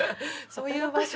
そういう場所？